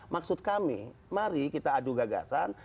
maksud kami mari kita adu gagasan